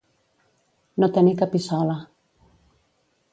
No tenir capissola.